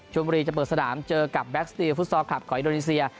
ชวนบุรีจะเปิดสถานเจอกับแบล็กสตรีฟลูตซอร์ขับของอิดลดิเซีย